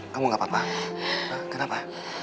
kamu gak apa apa kenapa